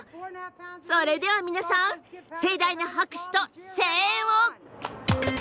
それでは皆さん盛大な拍手と声援を！